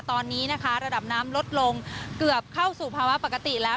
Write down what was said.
ตอนนี้นะคะระดับน้ำลดลงเกือบเข้าสู่ภาวะปกติแล้ว